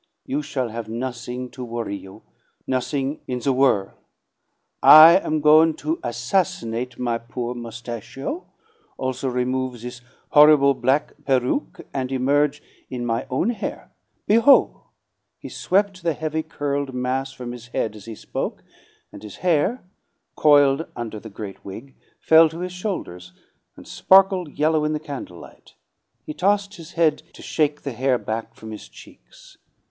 You shall have nothing to worry you, nothing in the worl'. I am goin' to assassinate my poor mustachio also remove this horrible black peruke, and emerge in my own hair. Behol'!" He swept the heavy curled, mass from his head as he spoke, and his hair, coiled under the great wig, fell to his shoulders, and sparkled yellow in the candle light. He tossed his head to shake the hair back from his cheeks.